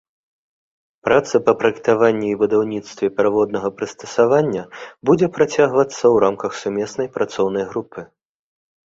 Праца па праектаванні і будаўніцтве пераводнага прыстасавання будзе працягвацца ў рамках сумеснай працоўнай групы.